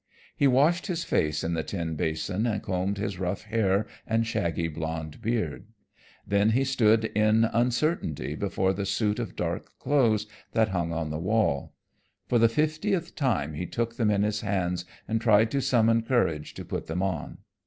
He washed his face in the tin basin and combed his rough hair and shaggy blond beard. Then he stood in uncertainty before the suit of dark clothes that hung on the wall. For the fiftieth time he took them in his hands and tried to summon courage to put them on.